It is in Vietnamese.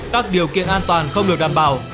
các điều kiện an toàn không được đảm bảo